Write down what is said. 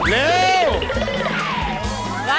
เร็ว